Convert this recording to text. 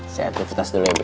saya aktivitas dulu ya bi